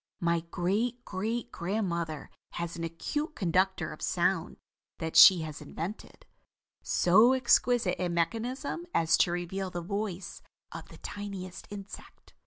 My great great grandmother has an acute conductor of sound that she has invented, so exquisite in mechanism as to reveal the voice of the tiniest insect.